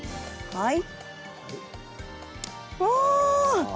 はい。